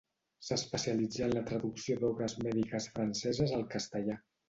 S'especialitzà en la traducció d'obres mèdiques franceses al castellà.